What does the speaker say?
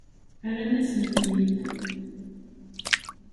Rran-asen-ten-id.